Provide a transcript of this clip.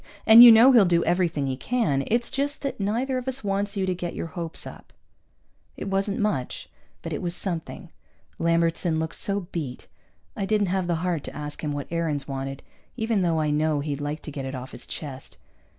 And you know he'll do everything he can. It's just that neither of us wants you to get your hopes up." It wasn't much, but it was something. Lambertson looked so beat. I didn't have the heart to ask him what Aarons wanted, even though I know he'd like to get it off his chest.